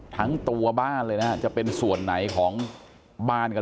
ทั้งตัวบ้านเลยนะฮะจะเป็นส่วนไหนของบ้านกัน